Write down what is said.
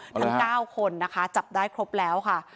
ทั้ง๙คนนะคะจับได้ครบแล้วค่ะ